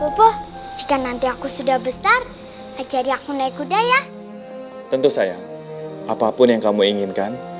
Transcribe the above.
rubuh jika nanti aku sudah besar jadi aku naik kuda ya tentu saya apapun yang kamu inginkan